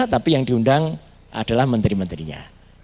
tapi yang diundang adalah menteri menterinya